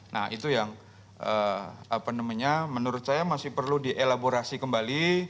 nah itu yang menurut saya masih perlu dielaborasi kembali